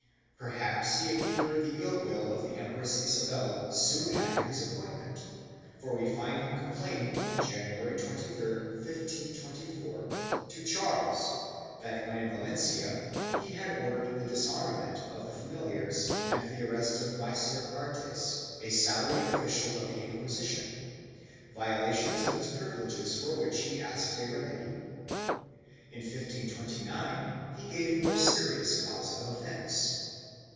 2 Perhaps he incurred the ill will of the Empress Isabella soon after his appointment, for we find him complaining, January 23, 1524, to Charles that when in Valencia she had ordered the disarmament of the familiars and the arrest of Micer Artes, a salaried official of the Inquisition, violations of its privileges for which he asked a remedy.3 In 1529, he gave more serious cause of offence.